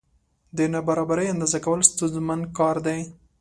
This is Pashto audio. د نابرابرۍ اندازه کول ستونزمن کار دی.